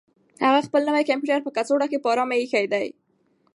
هغه خپل نوی کمپیوټر په کڅوړه کې په ارامه اېښی دی.